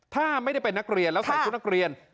ถ้าไม่ได้เป็นนักเรียนแล้วใส่ชุดนักเรียน